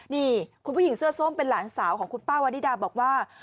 นี่คุณผู้หญิงเสื้อส้มเป็นหลานสาวของคุณป้าวานิดาบอกว่า